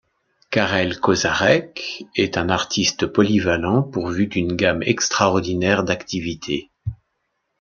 Karel Košárek est un artiste polyvalent, pourvu d'une gamme extraordinaire d'activité.